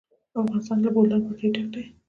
افغانستان له د بولان پټي ډک دی.